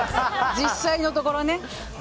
実際のところね。